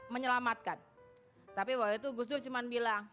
menyelamatkan tapi waktu itu gus dur cuma bilang